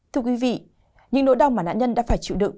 thưa quý vị những nỗi đau mà nạn nhân đã phải chịu đự